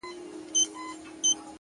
پاس توتكۍ راپسي مه ږغـوه’